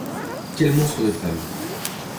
Quel monstre de femme!